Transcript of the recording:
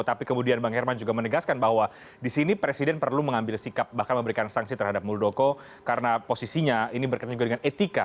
tapi kemudian bang herman juga menegaskan bahwa di sini presiden perlu mengambil sikap bahkan memberikan sanksi terhadap muldoko karena posisinya ini berkaitan juga dengan etika